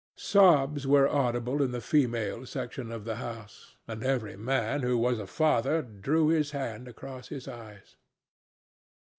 Sobs were audible in the female section of the house, and every man who was a father drew his hand across his eyes.